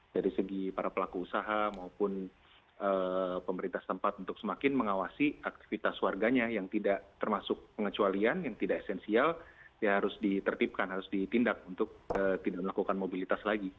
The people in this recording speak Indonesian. dari segi para pelaku usaha maupun pemerintah tempat untuk semakin mengawasi aktivitas warganya yang tidak termasuk pengecualian yang tidak esensial ya harus ditertibkan harus ditindak untuk tidak melakukan mobilitas lagi